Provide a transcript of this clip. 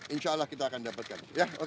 insya allah kita akan dapatkan